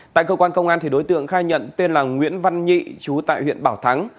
tại cơ quan công an đối tượng khai nhận tên là nguyễn văn nhị chú tại huyện bảo thắng